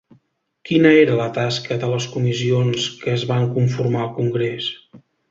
Quina era la tasca de les comissions que es van conformar al congrés?